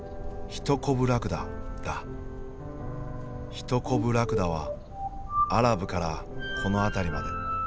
ヒトコブラクダはアラブからこの辺りまで。